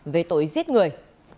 về tội giết người